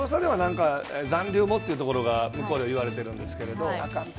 残留もというところが向こうでは言われているんですが。